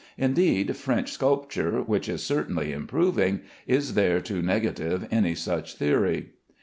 Indeed, French sculpture, which is certainly improving, is there to negative any such theory.